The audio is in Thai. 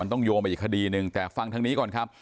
ต้องโยงไปอีกคดีหนึ่งแต่ฟังทางนี้ก่อนครับ